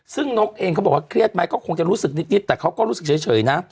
ซึ่งนกเองเขาบอกว่าเครียดไหมก็คงจะรู้สึกนิดแต่เขาก็รู้สึกเฉยนะ